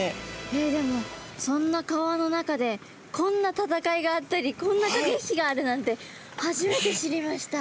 えっでもそんな川の中でこんな戦いがあったりこんなかけ引きがあるなんて初めて知りました。